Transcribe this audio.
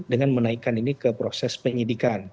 dengan menaikkan ini ke proses penyidikan